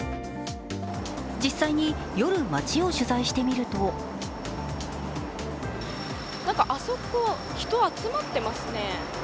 実際に夜、街を取材してみると何かあそこ、人集まってますね。